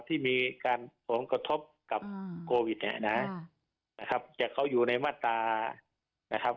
ที่มีการผลกระทบกับโควิดเนี่ยนะนะครับจากเขาอยู่ในมาตรานะครับ